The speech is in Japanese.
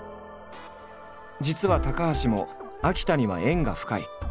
実は高橋も秋田には縁が深い。